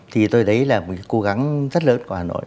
thì tôi thấy là một cố gắng rất lớn của hà nội